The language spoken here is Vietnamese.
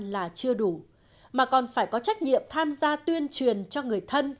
là chưa đủ mà còn phải có trách nhiệm tham gia tuyên truyền cho người thân